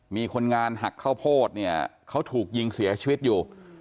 มีคนงานหักข้าวโพดเนี่ยเขาถูกยิงเสียชีวิตอยู่